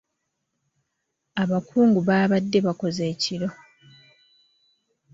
Abakungu baabadde bakoze ekiro.